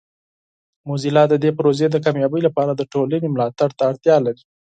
موزیلا د دې پروژې د کامیابۍ لپاره د ټولنې ملاتړ ته اړتیا لري.